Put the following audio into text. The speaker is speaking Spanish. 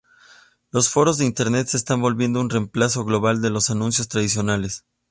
Los foros de Internet se están volviendo un reemplazo global de los anuncios tradicionales.